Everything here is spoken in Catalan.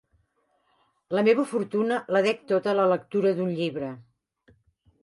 La meua fortuna la dec tota a la lectura d'un llibre.